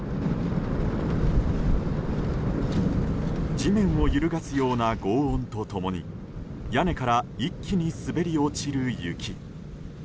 地面を揺るがすような轟音と共に屋根から一気に滑り落ちる雪。